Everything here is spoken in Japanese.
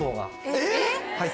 えっ！